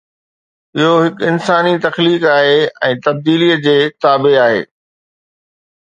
اهو هڪ انساني تخليق آهي ۽ تبديلي جي تابع آهي.